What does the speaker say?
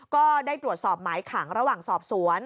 ก็ได้ตรวจสอบหมายขังระหว่างสอบสวน